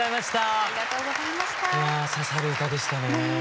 いや刺さる歌でしたね。